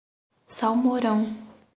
Salmourão